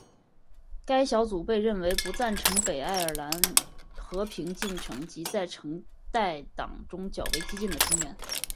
该小组被认为不赞成北爱尔兰和平进程及在橙带党中较为激进的成员。